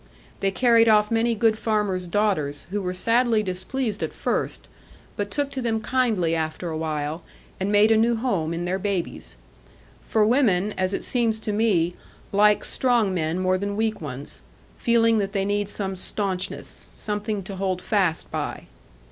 They carried off many good farmers' daughters, who were sadly displeased at first; but took to them kindly after awhile, and made a new home in their babies. For women, as it seems to me, like strong men more than weak ones, feeling that they need some staunchness, something to hold fast by.